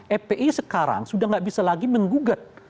epi sekarang sudah tidak bisa lagi menggugat